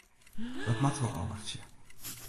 Dat moatte we ôfwachtsje.